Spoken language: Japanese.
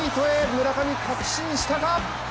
村上、確信したか？